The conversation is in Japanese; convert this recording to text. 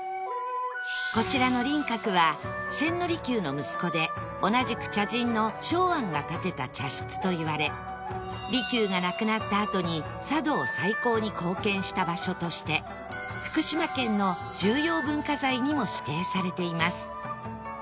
こちらの麟閣は千利休の息子で同じく茶人の少庵が建てた茶室といわれ利休が亡くなったあとに茶道再興に貢献した場所として福島県の重要文化財にも指定されています